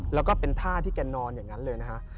แล้วก็เป็นท่าที่แกนอนอย่างนั้นเลยนะฮะ